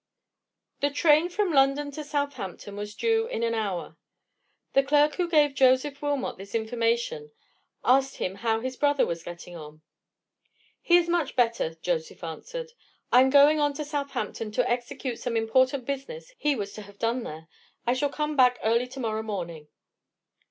The train from London to Southampton was due in an hour. The clerk who gave Joseph Wilmot this information asked him how his brother was getting on. "He is much better," Joseph answered. "I am going on to Southampton to execute some important business he was to have done there. I shall come back early to morrow morning."